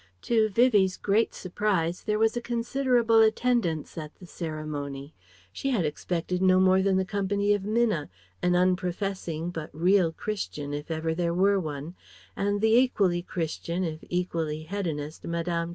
To Vivie's great surprise, there was a considerable attendance at the ceremony. She had expected no more than the company of Minna an unprofessing but real Christian, if ever there were one, and the equally Christian if equally hedonist Mme.